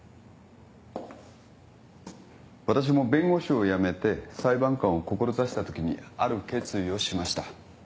私も弁護士を辞めて裁判官を志したときにある決意をしました。